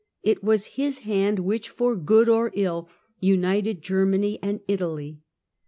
It was his hand which, for good or ill, united Germany and Italy.